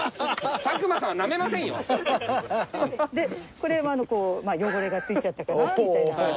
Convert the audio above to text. これは汚れが付いちゃったかなみたいな。